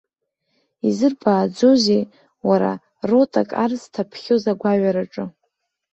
Изырбааӡозеи, уара, ротак ар зҭаԥхьоз агәаҩараҿы.